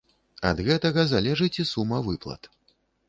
Ад гэтага залежыць і сума выплат.